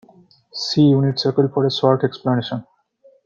See unit circle for a short explanation.